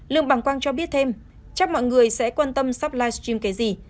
lương bằng quang cho biết thêm chắc mọi người sẽ quan tâm sắp live stream cái gì